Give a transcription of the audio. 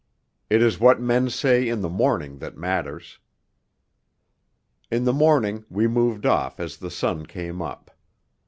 It is what men say in the morning that matters.... In the morning we moved off as the sun came up.